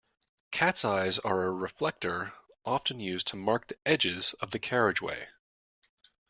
Cats eyes are a reflector often used to mark the edges of the carriageway